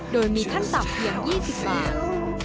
โดยมีขั้นต่ำเพียง๒๐บาท